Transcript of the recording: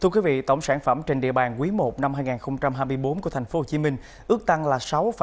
thưa quý vị tổng sản phẩm trên địa bàn quý i năm hai nghìn hai mươi bốn của thành phố hồ chí minh ước tăng là sáu năm mươi bốn